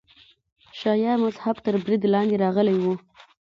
شیعه مذهب تر برید لاندې راغلی و.